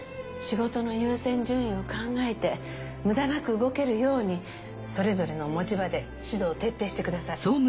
仕事の優先順位を考えて無駄なく動けるようにそれぞれの持ち場で指導を徹底してください。